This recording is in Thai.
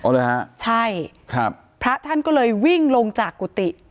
เลยฮะใช่ครับพระท่านก็เลยวิ่งลงจากกุฏิ